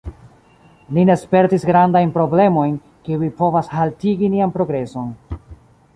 Ni ne spertis grandajn problemojn, kiuj povas haltigi nian progreson